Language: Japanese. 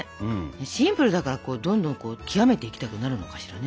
シンプルだからこうどんどん極めていきたくなるのかしらね？